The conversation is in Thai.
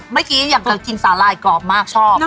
เมื่อกี้อยากจะกินสาหร่ายกรอบมากชอบ